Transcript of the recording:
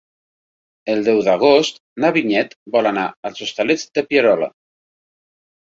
El deu d'agost na Vinyet vol anar als Hostalets de Pierola.